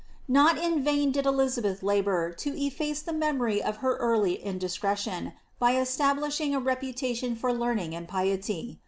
Not in vain did Elizabeth labour to efikce the memory of her early indiscretion, by establishing a reputation for learning and piety.